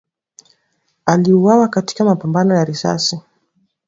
aliuawa katika mapambano ya risasi